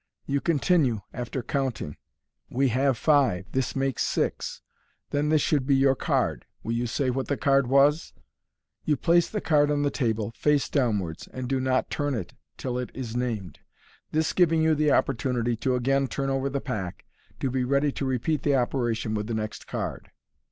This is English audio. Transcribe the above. You continue, after counting, " We have five, this makes six j then this should be your card. Will you say what the card was ?" You place the card on the table, face downwards, and do not turn it till it is named, this giving you the opportunity to again turn over the pack, to be ready to repeat the operation with the next card.